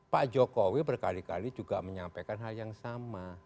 pak jokowi berkali kali juga menyampaikan hal yang sama